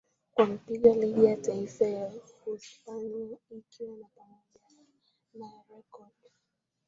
Kwa mpigo ligi ya Taifa la Uhispania ikiwa ni pamoja na rekodi